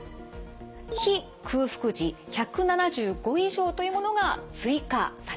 非空腹時１７５以上というものが追加されました。